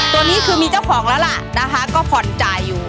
ตัวนี้คือมีเจ้าของแล้วล่ะนะคะก็ผ่อนจ่ายอยู่